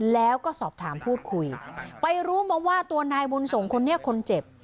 แล้วก็สอบถามพูดคุยไปรู้มาว่าตัวนายบุญส่งคนนี้คนเจ็บ